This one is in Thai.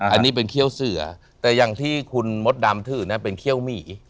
อันนี้เป็นเขี้ยวเสือแต่อย่างที่คุณมดดำถือนะเป็นเขี้ยวหมี